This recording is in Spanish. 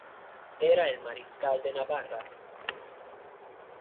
Era el mariscal de Navarra.